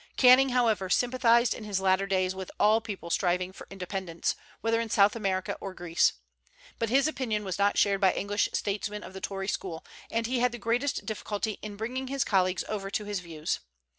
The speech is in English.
Canning, however, sympathized in his latter days with all people striving for independence, whether in South America or Greece. But his opinion was not shared by English statesmen of the Tory school, and he had the greatest difficulty in bringing his colleagues over to his views.